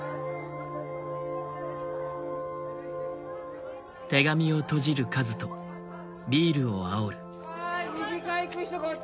・回して・はい２次会行く人こっち！